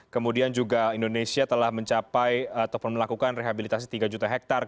kemudian juga indonesia telah mencapai ataupun melakukan rehabilitasi tiga juta hektare